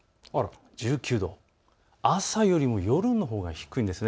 １９度、朝よりも夜のほうが低いんです。